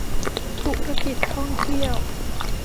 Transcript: ธุรกิจท่องเที่ยว